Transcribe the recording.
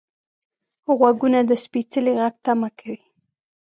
غوږونه د سپیڅلي غږ تمه کوي